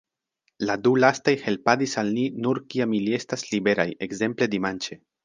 La du lastaj helpadis al ni nur kiam ili estis liberaj, ekzemple dimanĉe.